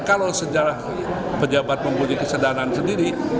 kalau sejarah penjabat mempunyai kesadaran sendiri